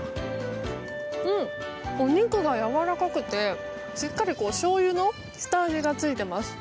お肉が柔らかくてしっかりしょうゆの下味がついています。